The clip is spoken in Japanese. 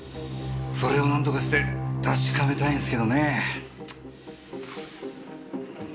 それをなんとかして確かめたいんすけどねぇ。